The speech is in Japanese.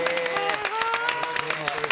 すごいな。